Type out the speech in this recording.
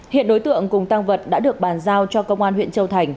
hiện đối tượng cùng tăng vật đã được bàn giao cho công an huyện châu thành